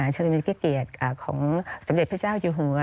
เฉลิมนิตเกียรติของสำเร็จพระเจ้าอยู่หัว